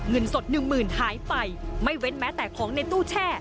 เงินสดหนึ่งหมื่นหายไปไม่เว้นแม้แต่ของในตู้แช่